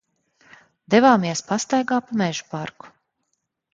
Devāmies pastaigā pa Mežaparku.